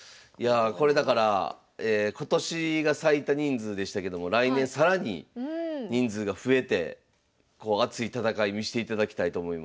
これだから今年が最多人数でしたけども来年更に人数が増えて熱い戦い見していただきたいと思います。